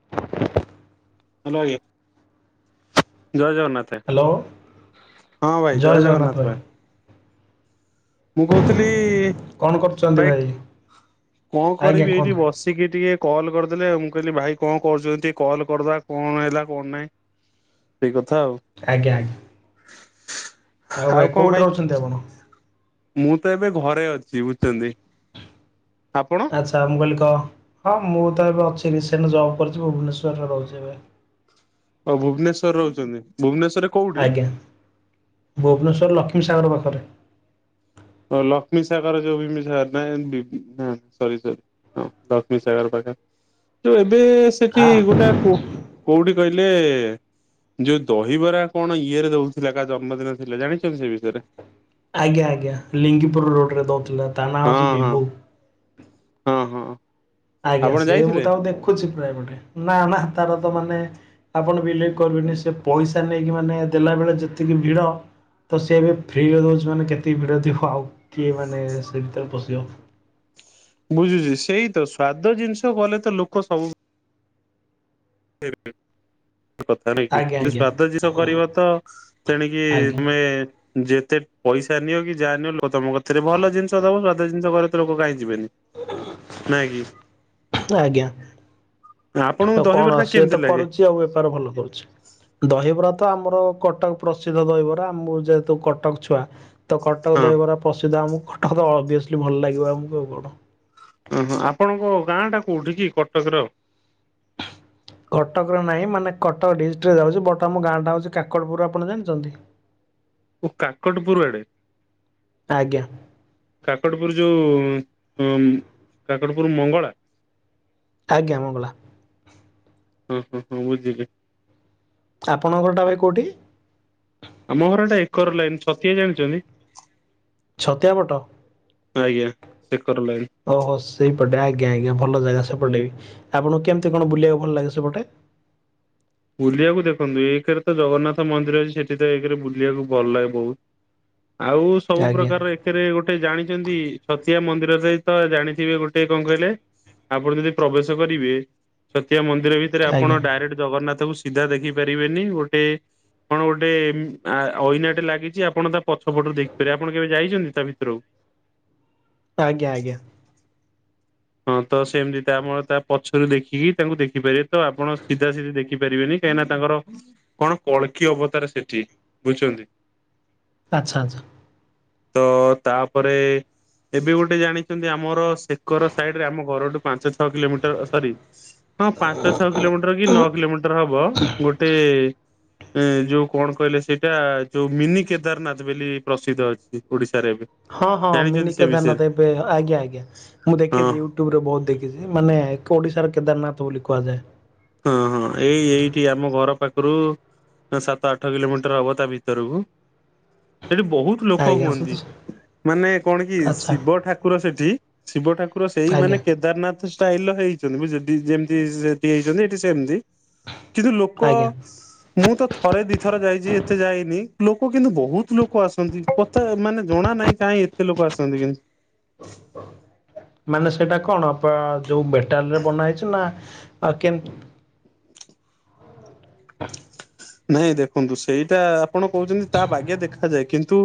[inaudible] Hello ଆଜ୍ଞା ଜୟ Jagannath. Hello ହଁ ଭାଇ ଜୟ ଜଗନ୍ନାଥ ଭାଇ। ମୁଁ କହୁଥିଲି କଣ କରୁଛନ୍ତି ଭାଇ କଣ ଆଜ୍ଞା କରିବି ଏଇଠି କୁହନ୍ତୁ ବସ୍ ଟିକିଏ ଟିକେ କଲ୍ କରିଦେଲି ଆଉ ମୁଁ କହିଲି ଭାଇ କଣ କରୁଛନ୍ତି କଲ୍ କରିଦେବା। କଣ ହେଲା କଣ ନାହିଁ ସେଇ କଥା ଆଉ। ଆଜ୍ଞା ଆଜ୍ଞା। ଆଉ କଣ କେଉଁଠି ଭାଇ ରହୁଛନ୍ତି ଆପଣ ମୁଁ ତ ଏବେ ଘରେ ଅଛି ବୁଝୁଛନ୍ତି। ଆପଣ? ଆଚ୍ଛା ମୁଁ କହିଲି କ ହଁ ମୁଁ ତ ଏବେ ଅଛି ରିସେଣ୍ଟ ଜବ୍ କରୁଛି ଭୁବନେଶ୍ୱରରେ ରହୁଛି ଏବେ। ହଉ ଭୁବନେଶ୍ଵରରେ ରହୁଛନ୍ତି ଭୁବନେଶ୍ୱରରେ ଆଜ୍ଞା ଭୁବନେଶ୍ୱର ଲକ୍ଷ୍ମୀ ସାଗର ପାଖରେ। ଲକ୍ଷ୍ମୀ ସାଗର ଯୋଉ ବିମ୍ବି ସାଗର ନାଇ ବି ନା ସରି ସରି ହଁ ଲକ୍ଷ୍ମୀ ସାଗର ପାଖେ ଯୋଉ ଏବେ ସେଠି ଆ ଗୋଟା କୁ କୋଉଠି କହିଲେ ଯୋଉ ଦହିବରା କଣ ଇଏରେ ଦଉଥିଲା କା ଜନ୍ମଦିନ ଥିଲା ଜାଣିଛନ୍ତି ସେ ବିଷୟରେ ଆଜ୍ଞା ଆଜ୍ଞା ଲିଙ୍ଗିପୁର ରୋଡ଼ରେ ଦେଉଥିଲା ତା ନାଁ ହଁ ହେଉଛି ହଁ ବିଭୁ। ହଁ ହଁ। ଆଜ୍ଞା ଆପଣ ସେ ମୁଁ ଯାଇଥିଲେ? ତାକୁ ଆଉ ଦେଖୁଛି ପ୍ରାୟପଟେ ନା ନା ତାର ତ ମାନେ ଆପଣ ବିଲିଭି କରିବେନି ସେ ପଇସା ନେଇକି ମାନେ ଦେଲାବେଳେ ଯେତିକି ଭିଡ ତ ସିଏ ଏବେ ଫ୍ରିରେ ଦେଉଛି ମାନେ କେତିକି ଭିଡ଼ ଥିବ ଆଉ କିଏ ମାନେ ସେ ଭିତରେ ପଶିବ। ବୁଝୁଛି ସେଇ ତ ସ୍ଵାଦ ଜିନିଷ କଲେ ତ ଲୋକ ସବୁ ସେ [inaudible] [unintelligible] ଆଜ୍ଞା ଆଜ୍ଞା ସ୍ଵାଦ ଜିନଷ କରବ ତ ତେଣିକି ଆଜ୍ଞା ତମେ ଯେତେ ପଇସା ନିଅ କି ଯାହା ନିଅ ଲୋକ ତମ କତିରେ ଭଲ ଜିନିଷ ଦବ ସଧା ଜିନିଷ ଘରେ ତ ଲୋକ କାହିଁ ଯିବେନି। ନା କି ଆଜ୍ଞା। ଆପଣଙ୍କୁ ଦହିବର ଟା ସିଏ ତ କରୁଛି ଆଉ ବେପାର ଭଲ କରୁଛି। ଦହିବରା ତ ଆମର କଟକ ପ୍ରସିଦ୍ଧ ଦହିବରା ଆମକୁ ଯେହେତୁ କଟକ ଛୁଆ। ତ କଟକ ହଁ ଦହିବରା ପ୍ରସିଦ୍ଧ ଆମକୁ କଟକ ଅଭିଅସଲି ଭଲ ଲାଗିବ ଆମକୁ ଆଉ କଣ। ଓହୋ ଆପଣଙ୍କ ଗାଁ ଟା କୋଉଠି କି କଟକର? କଟକର ନାହିଁ ମାନେ କଟକ ଡିଷ୍ଟ୍ରିକ୍ଟରେ ଯାଉଛି ବଟ ଆମ ଗାଁଟା ହେଉଛି କାକଡ଼ପୁରରୁ ଆପଣ ଜାଣିଛନ୍ତି। ଓ କାକଟପୁର ଆଡେ ଆଜ୍ଞା। କାକଟପୁର ଯୋଉ କାକଟପୁର ମଙ୍ଗଳା ଆଜ୍ଞା ମଙ୍ଗଲା। ହଁ ହଁ ହଁ ବୁଝିଲେ। ଆପଣଙ୍କରଟା ଭାଇ କେଉଁଠି? ଆମ ଘରଟା ଏକର ଲାଇନ୍ ସତିଆ ଜାଣିଛନ୍ତି। ଛତିଆପଟ ଆଜ୍ଞା ସେ କର ଲି ଓହୋ ସେଇପଟେ ଆଜ୍ଞା ଆଜ୍ଞା ଭଲ ଜାଗା ସେପଟେ ଆଜ୍ଞା। ବି ଆପଣଙ୍କୁ କେମିତି କଣ ବୁଲିବାକୁ ଭଲ ଲାଗେ ସେପଟେ ବୁଲିବାକୁ ଦେଖନ୍ତୁ ଏଇରେ ତ ଜଗନ୍ନାଥ ମନ୍ଦିର ଅଛି ସେଠି ତ ଏଇରେ ବୁଲିବାକୁ ଭଲ ଲାଗେ ବହୁତ ଆଉ ସବୁ ଆଜ୍ଞା ପ୍ରକାର ସେଥିରେ ଗୋଟେ ଜାଣିଛନ୍ତି ସଛତିଆ ମନ୍ଦିରରେ ତ ଜାଣିଥିବେ ଗୋଟେ କଣ କହିଲେ। ଆପଣ ଯଦି ପ୍ରବେଶ କରିବେ ଛତିଆ ମନ୍ଦିର ଭିତରେ ଆପଣ ଆଜ୍ଞା ଡାଇରେକ୍ଟ ଜଗନ୍ନାଥ ତାକୁ ସିଧା ଦେଖି ପାରିବେନି ଗୋଟେ କଣ ଗୋଟେ ଇନାଟେ ଲାଗିଛି ଆପଣ ତା ପଛ ପଟରୁ ଦେଖିପାରେ ଆପଣ କେବେ ଯାଇଛନ୍ତି ତା ଭିତରୁକୁ ଆଜ୍ଞା ଆଜ୍ଞା। ହଁ ତ ସେମିତି ତାମଳ ତା ପଛରୁ ଦେଖିକି ତାଙ୍କୁ ଦେଖିପାରିବେ ତ ଆପଣ ସିଧା ସିଧା ଦେଖିପାରିବେନି। କହିଁନା ତାଙ୍କର କଣ କଳଖି ଅବତାରେ ସେଠି ବୁଝିଛନ୍ତି। ପାଚଛ ହଜ ତ ତାପରେ ଏବେ ଗୋଟେ ଜାଣିଛନ୍ତି ଆମର ଶେକର ସ ଆମ ଘରଠୁ ପାଞ୍ଚ ଛଅ କିଲୋମିଟର ସରି ହଁ ପାଞ୍ଚ ଛଅ କିଲୋମିଟର କି ନଅ କିଲୋମିଟର ହବ ଗୋଟେ ଏ ଯୋଉ କଣ କହିଲେ ସେଇଟା ଯୋଉ ମିନି କେଦାରନାଥ ବୋଲି ପ୍ରସିଦ୍ଧ ଅଛି ଓଡିଶାରେ ଏବେ ହଁ ହଁ ଜାଣିଛନ୍ତି ମିନି ସେ କେ ଧ ବିଷୟରେ ଆଜ୍ଞା ଆଜ୍ଞା ମୁଁ ହଁ ଦେଖିଛି ୟୁଟ୍ୟୁବ ରେ ବହୁତ ଦେଖିଛି ମାନେ ଓଡିଶାର କେଦାରନାଥ ବୋଲି କହାଯାଏ। ହଁ ହଁ ଏଇ ଏଇଠି ଆମ ଘର ପାଖରୁ ସାତ ଆଠ କିଲୋମିଟର ହବ ତା ଭିତରକୁ ସେଠି ବହୁତ ଲୋକ ଆଜ୍ଞା ହୁଅନ୍ତି ମାନେ କଣ କି ଆଚ୍ଛା ଶିବ ଠାକୁର ସେଠି ଶିବ ଠାକୁର ସେଇ ଆଜ୍ଞା ମାନେ କେଦାରନାଥ ଷ୍ଟାଇଲ ର ହେଇଛନ୍ତି ସେଠି ଯେମିତି ସେଠି ହେଇଛନ୍ତି। ସେମତି କିନ୍ତୁ ଲୋକ ଆଜ୍ଞା। ମୁଁ ତ ଥରେ ଦିଥରେ ଯାଇଛି ଏତେ ଯାଇନି ଲୋକ କିନ୍ତୁ ବହୁତ ଲୋକ ଆସନ୍ତି ତ ମାନେ ଜଣା ନାହିଁ କାହିଁ ଏତେ ଲୋକ ଆସନ୍ତି କିନ୍ତୁ ମାନେ ସେଇଟା କଣ ଯୋଉ ବେଟାଲରେ ବନା ହେଇଛି ନା କେ ନାଇଁ ଦେଖନ୍ତୁ ସେଇଟା ଆପଣ କହୁଛନ୍ତି ତା ବାଗେ ଦେଖାଯାଏ କିନ୍ତୁ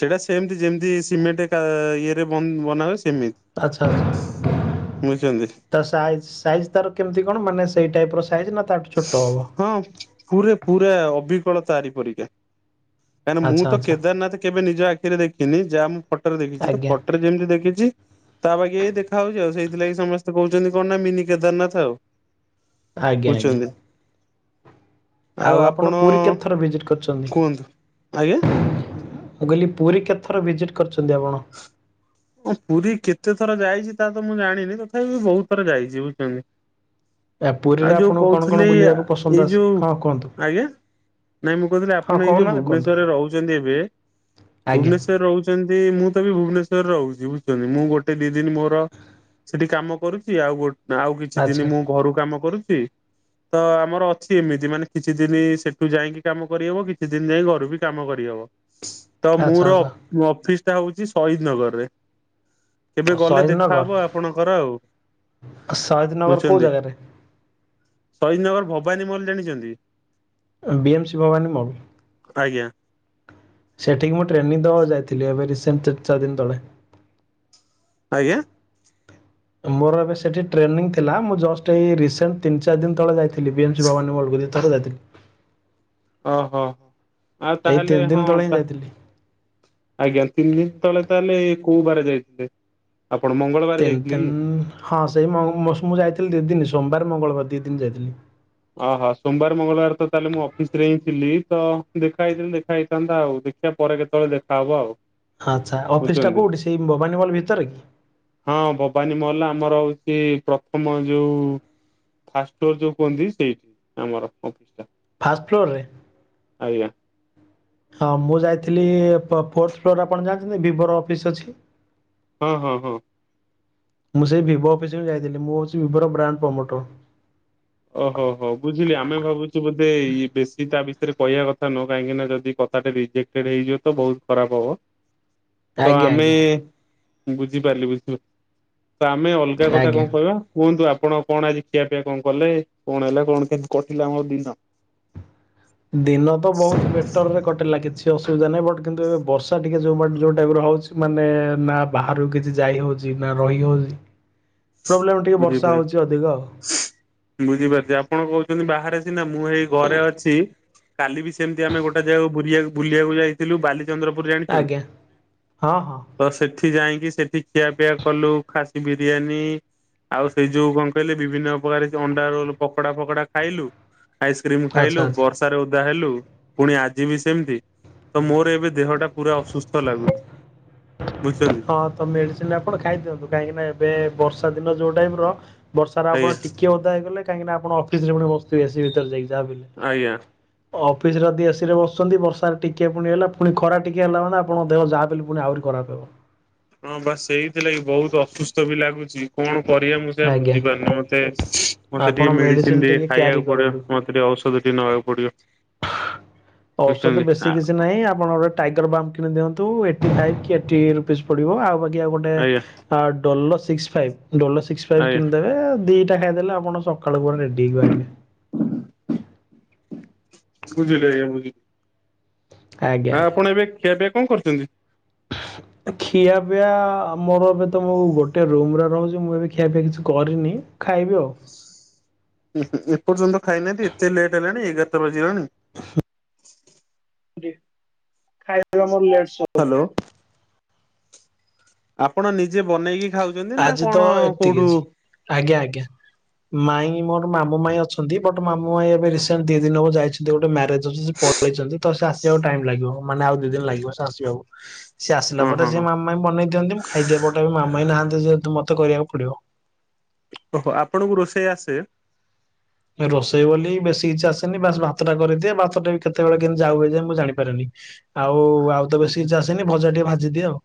ସେଇଟା ସେମିତି ଯେମିତି ସିମେଣ୍ଟ ଇଏରେ ବନାବେ ସେମିତି ଆଚ୍ଛା ଆଚ୍ଛା ବୁଝୁଛନ୍ତି ତ ସାଇଜ୍ ସାଇଜ୍ ତାର କେମିତି କଣ ମାନେ ସେଇ ଟାଇପ ର ସାଇଜ୍ ନା ତ ହଁ ପୁରା ପୁରା ଅବିକଳ ତାରିପରିକା କାହିଁକନା ଆଚ୍ଛା ମୁଁ ତ ଆଚ୍ଛା କେଦାରନାଥ କେବେ ନିଜ ଆଖିରେ ଦେଖିନି ଯାହା ମୁଁ ଫଟୋରେ ଦେଖିଛି ଆଜ୍ଞା ଫଟୋରେ ଯେମିତି ଦେଖିଛି ତା ପାଖେଇ ଦେଖାହାଉଉଛି ଆଉ ସେଇଥିଲାଗି ସମସ୍ତେ କହୁଛନ୍ତି କଣ ନା ମିନି କେଦାରନାଥ ଆଉ ଆଜ୍ଞା ଆଜ୍ଞା। ବୁଝୁଛନ୍ତି ଆଉ ଆପଣ ପୁରୀ କେତେ ଥର ଭିଜିଟ୍ କରିଛନ୍ତି କୁହନ୍ତୁ ଆଜ୍ଞା ମୁଁ କହିଲି ପୁରୀ କେତଥର ଭିଜିଟ୍ କରିଛନ୍ତି ଆପଣ ଓଁ ପୁରୀ କେତେ ଥର ଯାଇଛି ତା ତ ମୁଁ ଜାଣିନି ତଥାପି ବି ବହୁତ ଥର ଯାଇଛି ବୁଝିଛନ୍ତି ଆ ପୁରୀରେ ଆଉ ଯୋଉ ଆପଣଙ୍କୁ କଣ କଣ କହୁଥିଲି ବୁଲିବାକୁ ପସନ୍ଦ ଏଇ ଆସେ? ଯୋଉ ହଁ କୁହନ୍ତୁ। ଆଜ୍ଞା ନାଇଁ ମୁଁ କହୁଥିଲି ହଁ ଆପଣ ଏଇ ଯୋଉ କହୁନାହାନ୍ତି କୁହନ୍ତୁ ଭୁବନେଶ୍ଵରରେ ରହୁଛନ୍ତି ଏବେ ଆଜ୍ଞା ଭୁବନେଶ୍୍ୱର ରହୁ [unintelligible] ମୁଁ ତ ବିି ଭୁବନେଶ୍ୱର୍ ରହୁଛି ବୁଝୁଛନ୍ତି ମୁଁ ଗୋଟେ ଦି ଦିନ ମୋର ସେଠି କାମ କରୁଛି ଆଉ ଗୋ ନା ଆଉ କିଛି ଆଚ୍ଛା ଦିନ ମୁଁ ଘରୁ କାମ କରୁଛି। ତ ଆମର ଅଛି ଏମିତି ମାନେ କିଛି ଦିନ ସେଠୁ ଯାଇକି କାମ କରିହବ କିଛି ଦିନ ଯାଇ ଘରୁ ବି କାମ କରିହବ। [inaudible] ତ ମୁଁର ଆଚ୍ଛା। ଅଫିସ ଟା ହଉଛି ସହିଦ ନଗରରେ। କେବେ ଓ, ଗଲେ ଶହୀଦନଗର ଦେଖାହବ ଆପଣଙ୍କର ଆଉ ଶହୀଦନଗର କୋଉ ବୁଝଚନ୍ତି ଜାଗାରେ? ସହୀଦନଗର ଭବାନୀ ମଲ୍ ଜାଣିଛନ୍ତି? ବି ଏମ୍ ଶି ଭବାନୀ ମଲ୍। ଆଜ୍ଞା। ସେଠିକି ମୁଁ ଟ୍ରେନିଂ ଦେବାକୁ ଯାଇଥିଲି ଏବେ ରିସେଣ୍ଟ ତିନି ଚାରି ଦିନ ତଳେ। ଆଜ୍ଞା? ମୋର ଏବେ ସେଠି ଟ୍ରେନିଂ ଥିଲା ମୁଁ ଜଷ୍ଟ ଏଇ ରିସେଣ୍ଟ ତିନ ଚାରି ଦିନ ତଳେ ଯାଇଥିଲି ବି ଏ ଏମ୍ ଶି ଭବାନୀ ମଲ୍ [inaudible] ଓହୋ ଆଉ ଏଇ ତିନି ତାହେଲେ ଦିନ ହଁ ତଳେ ହିଁ ତାକୁ ଯାଇଥିଲି। ଆଜ୍ଞା ତିନି ଦିନ ତଳେ ତାହେଲେ କୋଉ ବାର ଯାଇଥିଲେ ଆପଣ ମ ତିନି ତିନ ହଁ ସେଇ ମୁଁ ଯାଇଥିଲି ଦି ଦିନ ସୋମବାର ମଙ୍ଗଳବାର ଦିଇ ଦିନ ଯାଇଥିଲି। ଓହୋ ସୋମବାର ମଙ୍ଗଳବାର ତ ତାହେଲେ ମୁଁ ଅଫିସ ରେ ହିଁ ଥିଲି ତ ଦେଖା ହେଇଥିଲି ଦେଖା ହେଇଥାନ୍ତା ଆଉ ଦେ ଦେଖିଆ ପରେ କେତେବେଳେ ଦେଖା ହବ ଆଉ ଆଚ୍ଛା ଅଫିସ୍ ଟା ବୁଝୁଛନ୍ତି କୋଉଁଠି ସେଇ ଭବାନୀ ମଲ୍ ଭିତରେ କି? ହଁ ଭବାନୀ ମହଲ ଆମର ହଉଛି ପ୍ରଥମ ଯୋଉ ଫାର୍ଷ୍ଟ ଫ୍ଲୋର ଯୋଉ କୁହନ୍ତି ସେଇଠି ଆମର ଅଫିସ ଟା। ଫାଷ୍ଟ ଫ୍ଲୋରରେ ଆଜ୍ଞା ହଁ ମୁଁ ଯାଇଥିଲି ଫୋର୍ଥ ଫ୍ଲୋରରେ ଆପଣ ଜାଣିଛନ୍ତି ଭିବୋ ର ଅଫିସ୍ ଅଛି। ହଁ ହଁ ହଁ ମୁଁ ସେଇ ଭିବୋ ଅଫିସକୁ ଯାଇଥିଲି ମୁଁ ହେଉଛି ଭିିବୋର ବ୍ରାଣ୍ଡ ପ୍ରମୋଟର। ଓହୋ ହୋ ବୁଝିଲି ଆମେ ଭାବୁଛୁ ବୋଧେ ବେଶୀ ତା ବିଷୟରେ କହିବା କଥା ନୁହଁ କାହିଁକିନା ଯଦି କଥାଟା ରିଜେକ୍ଟ ହେଇଯିବ ତ ବହୁତ ଖରାପ ହବ। [inaudible] ତ ଆଜ୍ଞା ଆମେ ଆଜ୍ଞା ବୁଝିପାରିଲି ବୁଝିପ ତ ଆମେ ଅଲଗା କଥା ଆଜ୍ଞା। କଣ କହିବା କୁହନ୍ତୁ ଆପଣ କଣ ଆଜି ଖିଆ ପିଆ କଣ କଲେ କଣ ହେଲା କଣ କେମତି କଟିଲା ଆମର ଦିନ? ଦିନ ତ ବହୁତ ବେଟର ରେ କଟିଲା କିଛି ଅସୁବିଧା ନାହିଁ ବଟ୍ କିନ୍ତୁ ଏବେ ବର୍ଷା ଟିକେ ଯୋଉ ଯୋଉ ଟାଇପ ର ହଉଛି ମାନେ ନା ବାହାରୁ କିଛି ଯାଇ ହଉଛି ନା ରହି ହଉଛି। ପ୍ରୋବ୍ଲେମ ଟିକେ ବର୍ଷା ବୁଝିପାରୁ ହଉଛି ଅଧିକ ଆଉ ବୁଝିପାରୁଛି ଆପଣ କହୁଛନ୍ତି ବାହାରେ ସିନା ମୁଁ ହେଇ ଘରେ ଅଛି। କାଲି ବି ସେମିତି ଆମେ ଗୋଟେ ଯେଗାକୁ ବୁଲିବାକୁ ବୁଲିବାକୁ ଯାଇଥିଲୁ ବାଲି ଚନ୍ଦ୍ରପୁର ଜାଣିଛନ୍ତି? ଆଜ୍ଞା ହଁ ହଁ ତ ସେଠି ଯାଇକି ସେଠି ଖିଆ ପିଆ କଲୁ ଖାସି ବିରିୟାନୀ ଆଉ ସେଇ ଯୋଉ କଣ କହିଲେ ବିଭିନ୍ନ ପ୍ରକାର ଅଣ୍ଡା ରୋଲ ପକଡା ଫକଡା ଖାଇଲୁ ଆଇସ୍କ୍ରିମ ଆଚ୍ଛା ଖାଇଲୁ ଆଚ୍ଛା ବର୍ଷାରେ ଓଦା ହେଲୁ ପୁଣି ଆଜିିବ ସେମିତି ତ ମୋର ଏବେ ଦେହଟା ପୁରା ଅସୁସ୍ଥ ଲାଗୁଛି? ବୁଝୁଛନ୍ତି ହଁ ତ ମେଡିସିନ ଆପଣ ଖାଇଦିଅନ୍ତୁ କାହିଁକି ନା ଏବେ ବର୍ଷା ଦିନ ଯୋଉ ଟାଇପ ର ବର୍ଷା ର ଆଜ୍ଞା ଆପଣ ଟିକେ ଓଦା ହେଇଗଲେ କାହିଁକି ନା ଆପଣ ଅଫିସରେ ପୁଣି ବସୁଥିବେ ଏସି ଭିତରେ ଯାହାବି ହେଲେ! ଆଜ୍ଞା ଅଫିସରେ ଯଦି ଏସି ରେ ବସୁଛନ୍ତି ବର୍ଷା ଟିକେ ପୁଣି ହେଲା ପୁଣି ଖରା ଟିକେ ହେଲା ମାନ ଆପଣଙ୍କ ଦେହ ଯାହାବି ହେଲେ ପୁଣି ଆହୁରି ଖରାପ ହବ ହଁ ବାସ ସେଇଥିଲାଗି ବହୁତ ଅସୁସ୍ଥ ବି ଲାଗୁଛି କଣ କରିବା ମୁଁ ସେୟା ଆଜ୍ଞା ବୁଝିପାରୁନି ମତେ ମତେ ମତେ ଆପଣ ଟିକେ ମେଡିସିନ ଟିକେ କ୍ୟାରି ଖାଇବାକୁ ପଡିବ କରନ୍ତୁ ମତେ ଟିକେ ଔଷଧ ଟିକେ ନେବାକୁ ପଡିବ ଔଷଧ ବୁଝୁଛନ୍ତି ବେଶୀ କିଛି ନାହିଁ ଆପଣଙ୍କର ଟାଇଗର ବମ୍ କିଣିଦିଅନ୍ତୁ ଏଇଟି ଫାଇଭ୍ କି ଏଇଟି ରୁପିଜ୍ ପଡ଼ିବ ଆଉ ବାକି ଆଉ ଗୋଟେ ଆଜ୍ଞା ଡଲ ସିକସ ଫ ଡଲ ସିକ୍ସ ଫାଇ୍ ଆଜ୍ଞା କିଣିଦେବେ ଦିଟା ଖାଇଦେଲେ ଆପଣ ସ ସକାଳୁ ପୁରା ରେଡି ହେଈକି ବାହାରିବେ। ବଝିଲି ଆଜ୍ଞା ବୁଝିଲି ଆଜ୍ଞା ହଁ ଆଜ୍ଞା ଆପଣ ଏବେ ଖାଇପିଆ କଣ କରିଛନ୍ତି। [inaudible] ଖିଆ ପିଇଆ ମୋର ଏବେ ତ ମୁଁ ଗୋଟେ ରୁମ୍ରେ ରହୁଛି ମୁଁ ଏବେ ଖିଆପିଆ କିଛି କରିନି ଖାଇବି ଆଉ। ଉ ଏପର୍ଯ୍ୟନ୍ତ ଖାଇନାହାନ୍ତି ଏତେ ଲେଟ୍ ହେଲାଣି ଏଗାରଟା ବାଜିଲାଣି ଖାଇବା ମୋର ଲେଟ୍ ସବୁ ହ୍ୟାଲୋ। ଆପଣ ନିଜେ ବନେଇକି ଖାଉଛନ୍ତି ନା ଆଜି ତ କଣ ଏତିକି କୋଉଠୁ ଅଛି ଆଜ୍ଞା ଆଜ୍ଞା। ମାଇଁ ମୋର ମାମୁ ମାଇଁ ଅଛନ୍ତି ବଟ୍ ମାମୁ ମାଇ ଏବେ ରିସେଣ୍ଟ ଦି ଦିନ ହବ ଯାଇଛନ୍ତି ଗୋଟେ ମ୍ୟାରେଜ୍ କୁ ଯଦି ସେ ପଳେଇଛନ୍ତି ତ ସେ ଆସିବାକୁ ଟାଇମ୍ ଲାଗିବ ମାନେ ଆଉ ଦି ଦିନ ଲାଗିବ ସେ ଆସିବାକୁ ସିଏ ଆସିଲା ଓହୋ ପରେ ହଁ ସେ ହଁ ମାମୁଁ ବି ବନେଇ ଦିଅନ୍ତି ମୁଁ ଖାଇଦିଏ ପଟେ ବି ମାମୁଁ ମାଇଁ ନହାନ୍ତି ଯେହେତୁ ମତେ କରିବାକୁ ପଡ଼ିବ। ଓହୋ ଆପଣଙ୍କୁ ରୋଷେଇ ଆସେ। ରୋଷେଇ ବୋଲି ବେଶୀ କିଛି ଆସେନି ବାସ୍ ଭାତ ଟା କରିଦିଏ ଭାତଟା ବି କେତେବେଳେ କେମିତି ଯାଉ ହେଇଯାଏ ଯେ ମୁଁ ଜାଣିପାରିନି। ଆଉ ଆଉ ତ ବେଶୀ କିଛି ଆସେନି ଭଜା ଟିକେ ଭାଜିଦିଏ ଆଉ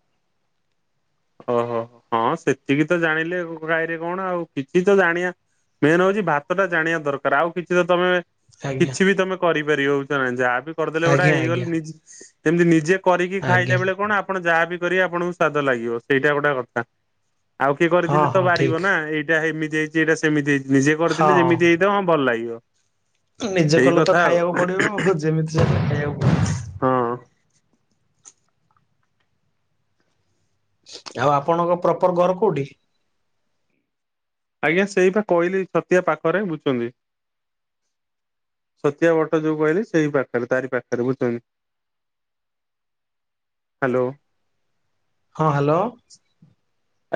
ଓହୋ ହଁ ସେତିକି ତ ଜାଣିଲେ କାହିଁରେ କଣ ଆଉ କିଛି ତ ଜଣିଆ ମେନ୍ ହଉଛି ଭାତ ଟା ଜାଣିବା ଦରକାରେ ଆଉ କିଛି ତ ତମେ ଆଜ୍ଞା କିଛି ବି ତମେ କରିପାରିବ ବୁଝଚନା ଯାହା ବି କରିଦେଲେ ଗୋଟା ଆଜ୍ଞା ଆଜ୍ଞା। ହେଇଗଲେ ଯେମତି ନିଜେ କରିକି ଖାଇଲା ଆଜ୍ଞା ବେଳେ କଣ ଆପଣ ଯାହା ବିି କରିବେ ଆପଣଙ୍କୁ ସ୍ଵାଦ ଲାଗିବ ସେଇଟା ଗୋଟେ କଥା ଆଉ କିଏ ହଁ କରିଥିଲେ ତ ହଁ ବାରିବ ଠିକ ନା ଏଇଟା ଏମିତି ହେଇଛି ଏଇଟା ସେମିତି ହେଇଛି ନିଜେ କରିଥିଲେ ହଁ। ଯେମିତି ହେଇଛି ଦେ ହଁ ଭଲ ଲାଗିବ। ନିଜ ଏଇ କଲେ ତ କଥା ଆଉ ଖାଇବାକୁ ପଡ଼ିବ ଆଉ ଯେମିତି ସେମିତି ଖାଇବାକୁ ପଡ଼ିବ। ହଁ। ଆଉ ଆପଣଙ୍କ ପ୍ରପର୍ ଘର କୋଉଠି? ଆଜ୍ଞା ସେଇ ବା କହିଲି ଛତିଆ ପାଖରେ ବୁଝୁଛନ୍ତି ଛତିଆ ବଟ ଯୋଉ କହିଲେ ସେଇ ପାଖରେ ତାରି ପାଖରେ ବୁଝୁଛନ୍ତି। ହାଲୋ ହଁ ହାଲୋ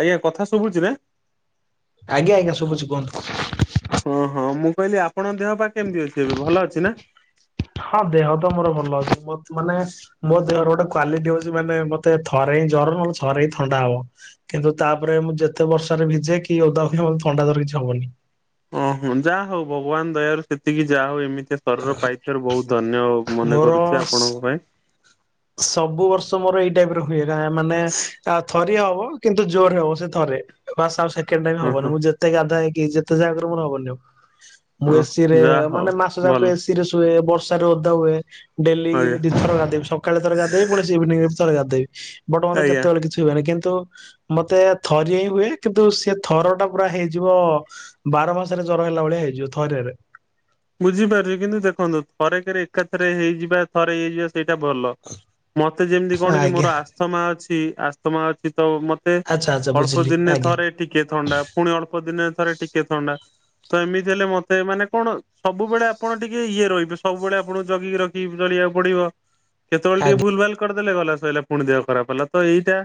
ଆଜ୍ଞା କଥା ଶୁଭୁଛି ନା ଆଜ୍ଞା ଆଜ୍ଞା ଶୁଭୁଛି କୁହନ୍ତୁ ହଁ ହଁ ମୁଁ କହିଲି ଆପଣଙ୍କ ଦେହ ପା କେମିତି ଅଛି ଏବେ ଭଲ ଅଛି ନା? ହଁ ଦେହ ତ ମୋର ଭଲ ଅଛି ମୋ ମାନେ ମୋ ଦେହର ଗୋଟେ କ୍ୱାଲିଟି ହଉଛି ମାନେ ମତେ ଥରେ ହିଁ ଜର ନହେଲେ ଥରେ ହିଁ ଥଣ୍ଡା ହବ। କିନ୍ତୁ ତାପରେ ମୁଁ ଯେତେ ବର୍ଷାରେ ଭିଜେ କି ଓଦା ହୁଏ ମତେ ଥଣ୍ଡା ଜର କିଛି ହବନି। ଓହଁ ଯାହା ହଉ ଭଗବାନ ଦୟାରୁ ସେତିକି ଯାହା ହଉ ଏମିତିଆ ଶରୀର ପାଇଥିବାରୁ ବହୁତ୍ ଧନ୍ୟ ହଉ। ମନେ ମୋର କରୁଛି ଆପଣଙ୍କ ପାଇଁ। ସବୁ ବର୍ଷ ମୋର ଏଇ ଟାଇପ୍ ରେ ହୁଏ ଗା ମାନେ ଥ ଥରେ ହବ କିନ୍ତୁ ଜୋର ହବ ସେ ଥରେ ଆ ସେଣ୍ଡ ଟାଇ ହଁ ହବନି ହଁ ମୁଁ ଯେ ଏତେ ଗାଧା ହେଇକି ଯେତେ ଜାଗାରେ ମୋର ହବନି ଆଉ ମୁଁ ହଁ ଏସିରେ ଯାହା ହଉ ମାନେ ମାସ ଯାକ ଭଲ ଏସି ରେ ଶୁଏ ବର୍ଷାରେ ଓଦା ହୁଏ ଡେଲି ଆଜ୍ଞା ଏମିତି ଦିଥର ଗାଧେଇ ବି ସକା କାଳେ ଥରେ ଗାଧେଇବି ଇଭିନିରେ ଥରେ ଗାଧେଇବି ବଟ୍ ମତେ ଆଜ୍ଞା କେତେବେଳେ କିଛି ହୁଏନି କିନ୍ତୁ ମତେ ଥରିଏ ହିଁ ହୁଏ କିନ୍ତୁ ସେ ଥର ଟା ପୁରା ହେଇଯିବ। ବାର ମାସରେ ଜ୍ୱର ହେଲା ଭଳିଆ ହେଇଯିବ ଥରିଆରେ ବୁଝିପାରୁଛ କିନ୍ତୁ ଦେଖନ୍ତୁ ଥରେ କେରେ ଏକାଥରେ ହେଇଯିବା ଥରେ ହେଇଯିବା ସେଇଟା ଭଲ। ମତେ ଯେମିତି କଣ କି ଆଜ୍ଞା ମୋର ଆସ୍ଥମା ଅଛି ଆସ୍ଥମା ଅଛି ତ ମତେ ଆଚ୍ଛା ଆଚ୍ଛା ଅଳ୍ପ ବୁଝିଲି ଦିନେ ଆଜ୍ଞା। ଥରେ ଟିକିଏ ଥଣ୍ଡା। ପୁଣି ଅଳ୍ପ ଦିନ ଥରେ ଟିକେ ଥଣ୍ଡା ତ ଏମିତି ହେଲେ ମତେ ମାନେ କଣ। ସବୁବେଳେ ଆପଣ ଟିକେ ଇଏ ରହିବେ ସବୁବେଳେ ଆପଣଙ୍କୁ ଜଗିକି ରଖିକି ଜଳିବାକୁ ପଡିବ। କେତେବେଳେ ଟେ ଆଜ୍ଞା ଭଲ ଭଲ୍ ଦେଲେ ଗଲା ସୋଇଲା ପୁଣି ଦେହ ଖରାପ ହେଲା ତ ଏଇଟା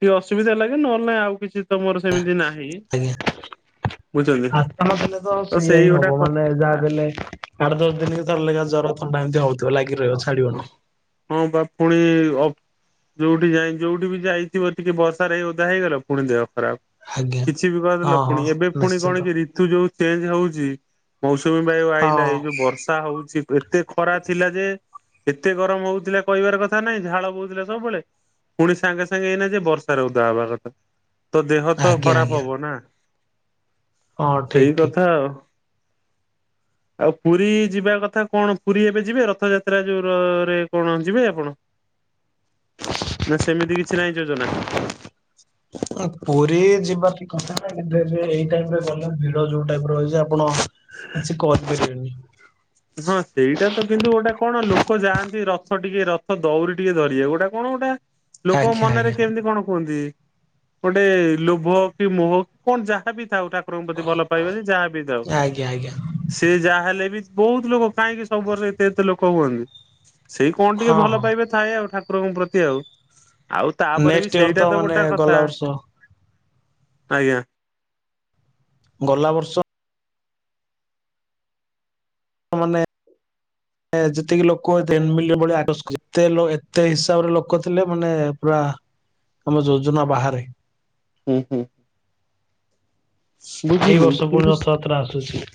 ଟିକେ ଅସୁବିଧା ହେଲା କି ନହେଲେହିଁ ଆଉ କିଛି ତ ମୋର ୍ଞା ସେମିତି ନାହିଁ ଆଜ୍ଞା। ବୁଝୁଛନ୍ତି ଆସ ମାସ ହେଲେ ତ ସେଇଆା ସେଇ ହିଁ ଗୋଟା ହବ କ ମାନେ ଯାହା ବେଲେ ଆଠ ଦଶ ଦିନ ଥର ଲଗା ଜର ଥଣ୍ଡାମିତି ହଉଛି। ଲାଗି ରହିବ ଛାଡ଼ିବନ। ହଁ ବା ପୁଣି ଅ ଯୋଉଠି ଯାଇ ଯୋଉଠି ବି ଯାଇଥିବ ଟିକେ ବର୍ଷାରେଇ ଓଧା ହେଇଗଲା ପୁଣି ଦେହ ଖରାପ ଆଜ୍ଞା। କିଛି ବି ହଁ କହିଦେଥିଲା ହଁ ପୁଣି ଏବେ ପୁଣି ନିଶ୍ଚିନ୍ତ କଣ କି ୁ ଯୋଉ ଚେଞ୍ଜ ହଉଛି ମୌସୁମୀ ବାୟୁ ଆଇଲାା ଏଇ ହଁ ଯୋଉ ବର୍ଷା ହଉଛି। ଏତେ ଖରା ଥିଲା ଯେ ଏତେ ଗରମ ହଉଥିଲା କହିବାର କଥା ନାଇଁ ଝାଳ ବୋଉଥିଲା ସବୁବେଳେ ପୁଣି ସାଙ୍ଗେ ସାଙ୍ଗେ ଏଇନା ଯେ ବର୍ଷାରେ ଉଦା ହବା କଥା ତ ଦେହ ତ ଆଜ୍ଞା ଖରାପ ଆଜ୍ଞା। ହବ ନା ହଁ ଠିକ ସେଇ କଥା ଠିକ ଆଉ ଆଉ ପୁରୀ ଯିବା କଥା କଣ ପୁରୀ ଏବେ ଯିବେ ରଥଯାତ୍ରା ୍ରରେ କଣ ଯିବେ ଆପଣ ନା ସେମିତି କିଛି ନାହିଁ ଯୋଜନା। ପୁରୀ ଯିବା ଟ କଥା ନା କିନ୍ତୁ ଏଇ ଟାଇପ ରେ ଗଲେ ଭିଡ ଯୋଉ ଟାଇପ ରଛି। ଆପଣ କିଛି କରିପାରିବେନି। ହଁ ସେଇଟା ତ କିନ୍ତୁ ଗୋଟେ କଣ ଲୋକ ଯାଆନ୍ତି ରଥ ଟିକେ ରଥ ଦଉରି ଟିକେ ଧରିିବା ଗୋଟା କଣ ଗୋଟେ ଲୋକଙ୍କ ଆଜ୍ଞା ମନରେ ଆଜ୍ଞା କେମିତି କଣ କୁହନ୍ତି। ଗୋଟେ ଲୋଭ କି ମୁହ କି କଣ ଯାହା ବିି ଥାଉ ତା ପଙ୍କ ପ୍ରତି ଭଲ ପାଇବନି ଯାହା ବି ଯଉ ଆଜ୍ଞା ଆଜ୍ଞା ସି ଯାହା ହେଲେ ବି ବହୁତ ଲୋକ କାହିଁକି ସବୁ ବରରେ ଏତେ ଏତେ ଲୋକ ହୁଅନ୍ତି ସେଇ କଣ ଟିକେ ହଁ ଭଲ ହଁ ପାଇବେ। ଥାଏ ଆଉ ଠାକୁରଙ୍କ ପ୍ରତି ଆଉ ଆଉ ତାପରେ ନେକ୍ସଟ ବି ଇୟର ସେଇଟା ତ ମାନେ ଗୋଟା ଗଲା କଥା ବର୍ଷ ଆଜ୍ଞା। ଗଲା ବର୍ଷ ମାନେ ଯେତିକି ଲୋକତେ ଏତେ ହିସାବରେ ଲୋକ ଥିଲେ ମାନେ ପୁରା ଆମ ଯୋଜନା ବାହାରେ ହୁଁ ହୁଁ ଏଇ ବୁଝିଲି ବର୍ଷ ପୁଣି କିନ୍ତୁ ରଥଯାତ୍ରା ଆସୁଛି।